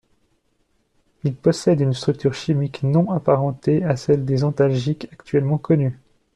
Il possède une structure chimique non apparentée à celle des antalgiques actuellement connus.